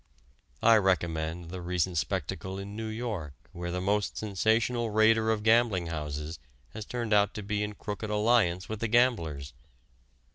I recommend the recent spectacle in New York where the most sensational raider of gambling houses has turned out to be in crooked alliance with the gamblers.